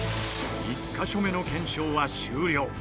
１カ所目の検証は終了。